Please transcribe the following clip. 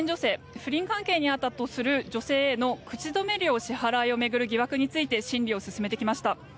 不倫関係にあったとする女性への口止め料の支払いを巡る疑惑について審理を進めてきました。